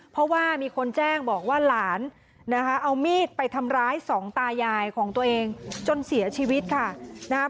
เพราะว่ามีคนแจ้งบอกว่าหลานนะคะเอามีดไปทำร้ายสองตายายของตัวเองจนเสียชีวิตค่ะนะครับ